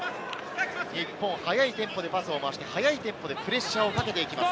日本、早いテンポでパスを回して、速いテンポでプレッシャーをかけていきます。